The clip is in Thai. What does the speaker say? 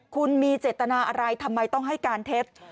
คุณมีเจตนาอะไรทำไมต้องให้การเท็จ